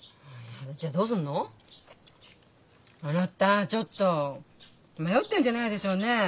あなたちょっと迷ってるんじゃないでしょうね？